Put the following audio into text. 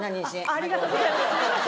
ありがとうございます。